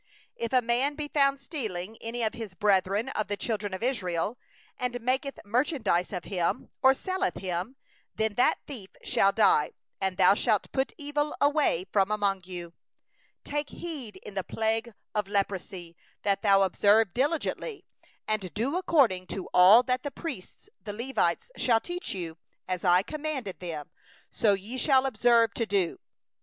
7If a man be found stealing any of his brethren of the children of Israel, and he deal with him as a slave, and sell him; then that thief shall die; so shalt thou put away the evil from the midst of thee. 8Take heed in the plague of leprosy, that thou observe diligently, and do according to all that the priests the Levites shall teach you, as I commanded them, so ye shall observe to do.